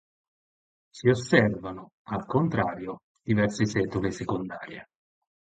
Si osservano, al contrario, diverse setole secondarie.